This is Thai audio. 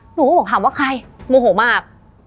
หนูก็บอกถามว่าใครโมโหมาก